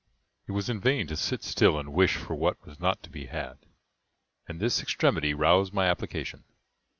It was in vain to sit still and wish for what was not to be had; and this extremity roused my application.